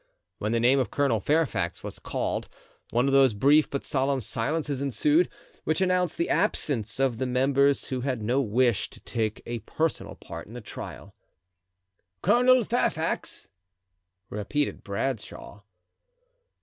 When the name of Colonel Fairfax was called, one of those brief but solemn silences ensued, which announced the absence of the members who had no wish to take a personal part in the trial. "Colonel Fairfax," repeated Bradshaw.